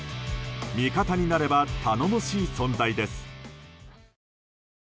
味方になれば頼もしい存在です。